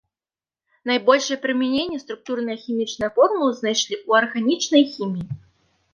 Найбольшае прымяненне структурныя хімічныя формулы знайшлі ў арганічнай хіміі.